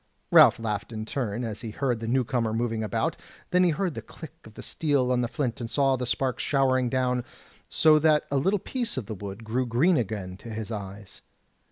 Ralph laughed in turn, as he heard the new comer moving about; then he heard the click of the steel on the flint, and saw the sparks showering down, so that a little piece of the wood grew green again to his eyes.